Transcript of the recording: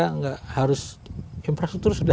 tidak harus infrastruktur